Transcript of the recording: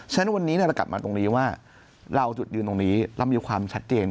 ฉะนั้นวันนี้เรากลับมาตรงนี้ว่าเราจุดยืนตรงนี้เรามีความชัดเจน